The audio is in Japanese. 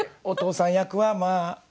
お父さん役はまあ